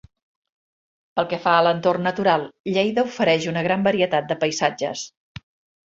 Pel que fa a l'entorn natural, Lleida ofereix una gran varietat de paisatges.